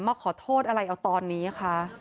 มาขอโทษอะไรเอาตอนนี้ค่ะ